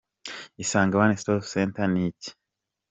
Isange One Stop Center ni iki?.